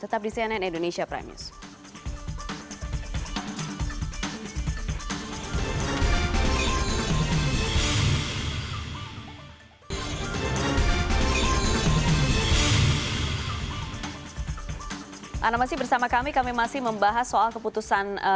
tetap di cnn indonesia prime news